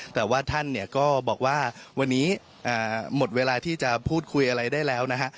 แต่ว่าท่านเนี่ยก็บอกว่าวันนี้หมดเวลาที่จะพูดคุยอะไรได้แล้วนะฮะ